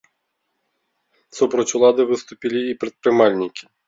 Супраць урада выступілі і прадпрымальнікі.